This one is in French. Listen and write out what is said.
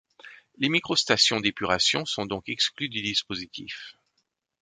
Les micro-stations d'épuration sont donc exclues du dispositif.